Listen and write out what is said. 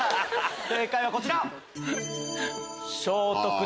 正解はこちら。